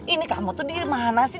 ini kamu tuh dimana sih